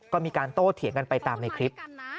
ก็มีการโต้เถียงกันไปตามในคลิป